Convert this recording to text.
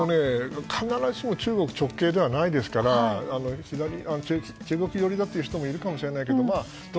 必ずしも中国直系ではないですから中国寄りだという人もいるかもしれないけど